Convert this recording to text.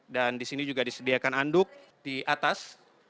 dan di sini juga disediakan anduk di atas